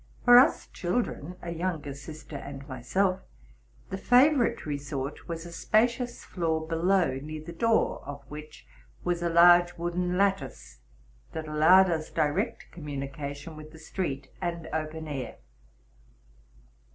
For us children, —a younger sister and myself, — the favorite resort was & spa sious floor below, near the door ef which was a large wooden lattice that allowed us direct communication with the street and open air.